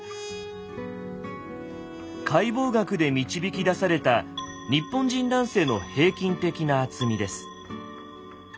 解剖学で導き出された日本人男性の平均的な厚みです。